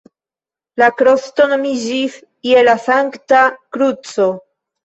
La klostro nomiĝis "Je la Sankta Kruco".